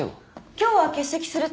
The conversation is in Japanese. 今日は欠席するって。